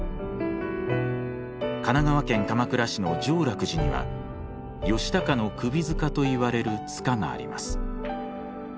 神奈川県鎌倉市の常楽寺には義高の首塚といわれる塚があります。